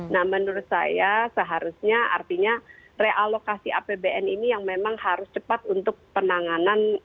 nah menurut saya seharusnya artinya realokasi apbn ini yang memang harus cepat untuk penanganan